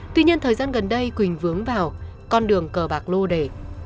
tuy nhiên thời gian gần đây quỳnh vướng vào con đường cờ bạc lô đề